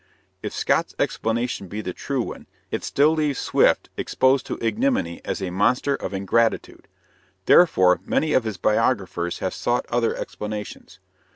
If Scott's explanation be the true one, it still leaves Swift exposed to ignominy as a monster of ingratitude. Therefore, many of his biographers have sought other explanations.